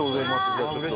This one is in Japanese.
じゃあちょっと。